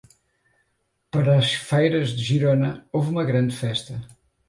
Para as feiras de Girona, houve uma grande festa.